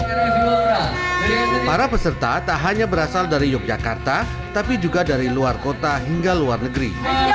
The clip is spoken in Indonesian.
para peserta tak hanya berasal dari yogyakarta tapi juga dari luar kota hingga luar negeri